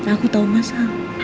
aku tau masa